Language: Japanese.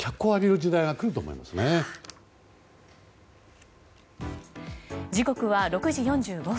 時刻は６時４５分。